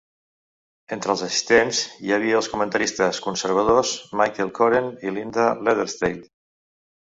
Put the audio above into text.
Entre els assistents hi havia els comentaristes conservadors Michael Coren i Linda Leatherdale.